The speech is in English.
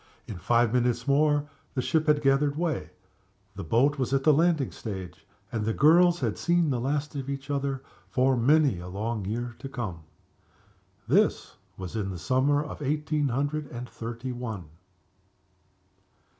In five minutes more the ship had gathered way; the boat was at the landing stage and the girls had seen the last of each other for many a long year to come. This was in the summer of eighteen hundred and thirty one.